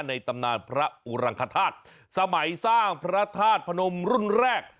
ตำนานพระอุรังคธาตุสมัยสร้างพระธาตุพนมรุ่นแรก